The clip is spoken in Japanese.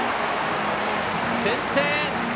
先制！